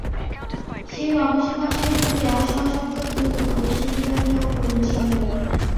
সে রমেশের বাসায় ঢুকিয়া সশব্দ দ্রুতপদে সিঁড়ি বাহিয়া উপরে উঠিয়া গেল।